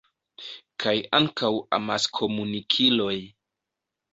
Kaj ankaŭ amaskomunikiloj.